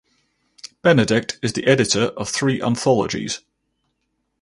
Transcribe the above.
Benedict is the editor of three anthologies.